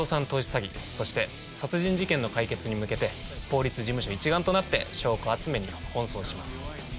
詐欺そして殺人事件の解決に向けて法律事務所一丸となって証拠集めに奔走します